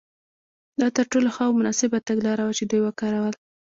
دا تر ټولو ښه او مناسبه تګلاره وه چې دوی وکارول.